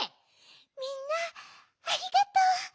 みんなありがとう。